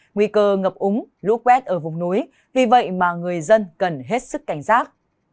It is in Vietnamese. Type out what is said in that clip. nguy cơ ngập úng lũ quét ở vùng núi vì vậy mà người dân cần hết sức cảnh giác